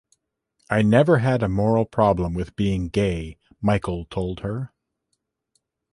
"I never had a moral problem with being gay", Michael told her.